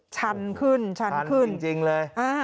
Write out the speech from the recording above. ชันขึ้นชันขึ้นจริงเลย